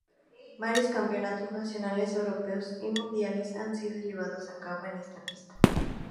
Varios campeonatos nacionales, europeos y mundiales han sido llevados a cabo en esta pista.